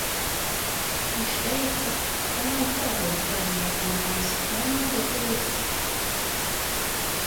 Viņš teica, ka nav tālu radinieku mājas, lai nākot līdzi!